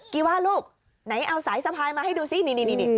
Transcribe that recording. ีว่าลูกไหนเอาสายสะพายมาให้ดูสินี่